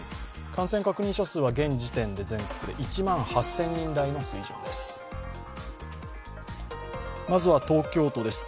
感染確認者数は現時点で１万８０００人台の水準です。